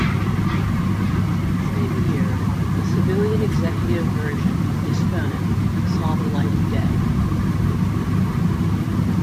That same year, a civilian executive version, Disponent, saw the light of day.